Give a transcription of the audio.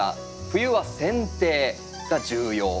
冬はせん定が重要。